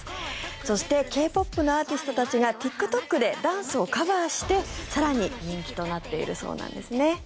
そしてＫ−ＰＯＰのアーティストたちがＴｉｋＴｏｋでダンスをカバーして更に人気となっているそうなんですね。